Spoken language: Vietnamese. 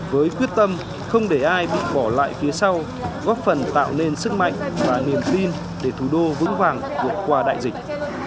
với quyết tâm không để ai bị bỏ lại phía sau góp phần tạo nên sức mạnh và niềm tin để thủ đô vững vàng vượt qua đại dịch